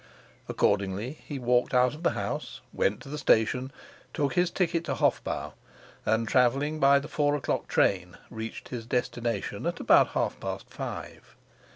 Accordingly he walked out of the house, went to the station, took his ticket to Hofbau, and, traveling by the four o'clock train, reached his destination about half past five.